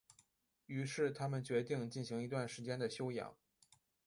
于是他们决定进行一段时间的休养。